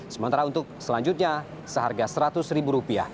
sementara untuk selanjutnya seharga rp seratus